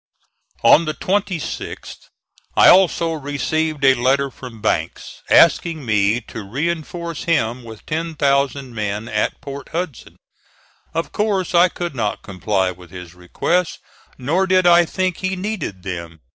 On the 26th I also received a letter from Banks, asking me to reinforce him with ten thousand men at Port Hudson. Of course I could not comply with his request, nor did I think he needed them.